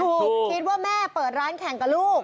คิดว่าแม่เปิดร้านแข่งกับลูก